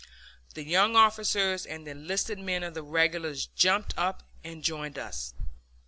The younger officers and the enlisted men of the regulars jumped up and joined us.